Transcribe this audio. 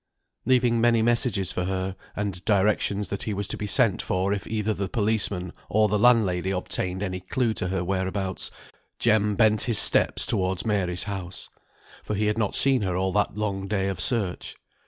Leaving many messages for her, and directions that he was to be sent for if either the policeman or the landlady obtained any clue to her where abouts, Jem bent his steps towards Mary's house; for he had not seen her all that long day of search.